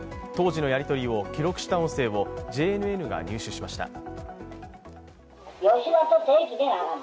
当時のやり取りを記録した音声をＪＮＮが入手しました。